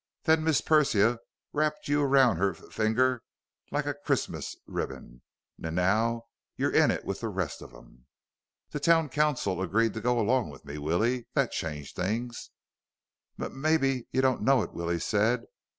Then Miss Persia wrapped you around her f finger like a Christmas ribbon. N now you're in with the rest of them!" "The town council agreed to go along with me, Willie. That changed things." "M maybe you don't know it," Willie said.